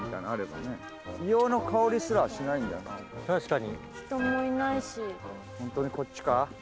確かに。